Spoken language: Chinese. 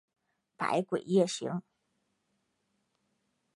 百鬼夜行。